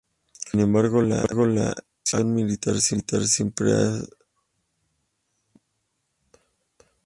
Sin embargo, la aviación militar siempre estuvo fuera de la jurisdicción de esta agencia.